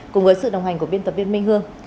cùng với sự đồng hành của biên tập viên minh hương